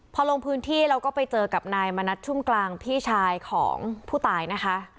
พอลงพื้นที่เราก็ไปเจอกับนายมณัฐชุ่มกลางพี่ชายของผู้ตายนะคะ